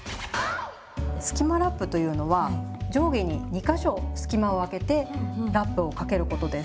「スキマラップ」というのは上下に２か所スキマをあけてラップをかけることです。